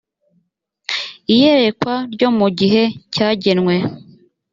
iyerekwa ryo mu gihe cyagenwe